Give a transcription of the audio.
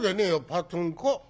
パツンコ。